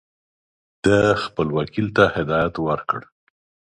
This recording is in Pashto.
ده خپل وکیل ته هدایت ورکړ.